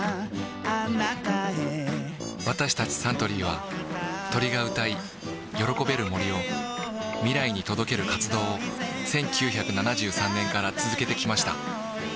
私たちサントリーは鳥が歌い喜べる森を未来に届ける活動を１９７３年から続けてきました